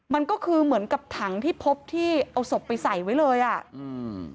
มันก็คือเหมือนกับถังที่พบที่เอาศพไปใส่ไว้เลยอ่ะอืม